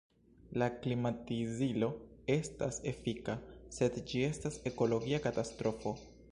La klimatizilo estas efika, sed ĝi estas ekologia katastrofo.